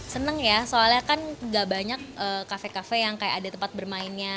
seneng ya soalnya kan gak banyak kafe kafe yang kayak ada tempat bermainnya